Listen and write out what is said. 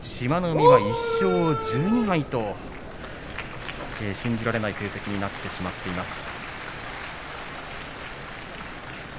海は１勝１２敗と信じられない成績になってしまっています。